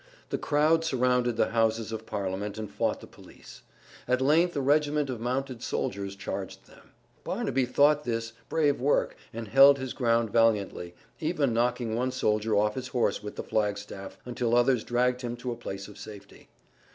The crowd surrounded the houses of Parliament and fought the police. At length a regiment of mounted soldiers charged them. Barnaby thought this brave work and held his ground valiantly, even knocking one soldier off his horse with the flagstaff, until others dragged him to a place of safety.